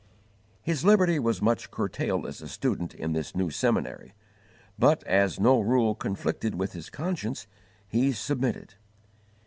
His liberty was much curtailed as a student in this new seminary, but, as no rule conflicted with his conscience, he submitted.